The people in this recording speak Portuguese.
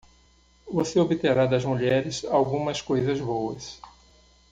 Você obterá das mulheres algumas coisas boas.